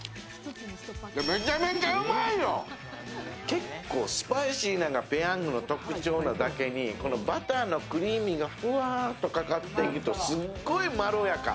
結構スパイシーなんがペヤングの特徴なだけにバターのクリーミーがふわっとかかっていくとすっごいまろやか。